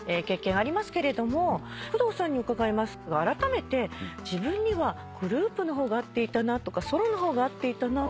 工藤さんに伺いますがあらためて自分にはグループの方が合っていたなとかソロの方が合っていたなとか。